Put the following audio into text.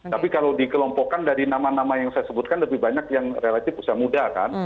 tapi kalau dikelompokkan dari nama nama yang saya sebutkan lebih banyak yang relatif usia muda kan